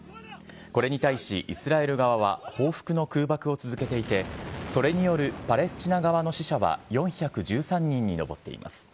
これに対し、イスラエル側は報復の空爆を続けていて、それによるパレスチナ側の死者は４１３人に上っています。